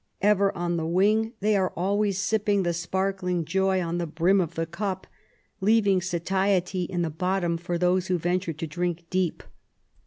Eyer on the wing, they are always sipping the sparkling joy on the brim of the cnp, leaying satiety in the bottom for those who yentnre to drink deep.